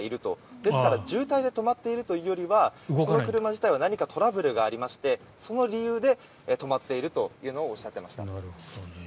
ですから渋滞で止まっているというよりはこの車自体は何かトラブルがありましてその理由で止まっているというのをおっしゃってました。